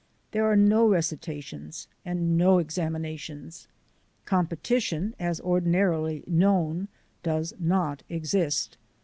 There are no recitations and no examinations. Competition, as ordinarily known, does not exist.